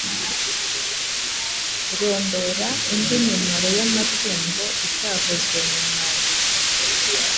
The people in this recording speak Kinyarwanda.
Rondora indi mimaro y’amatungo itavuzwe mu mwandiko.